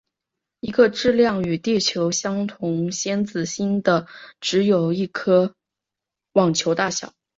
一个质量与地球相同先子星的只有一颗网球大小。